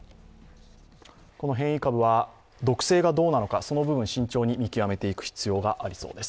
この変異株は毒性がどうなのか、その部分、慎重に見極めていく必要がありそうです。